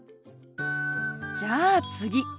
じゃあ次。